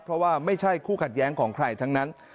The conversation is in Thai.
เพราะว่าไม่ใช่คู่ขัดแย้งของใครทั้งนั้น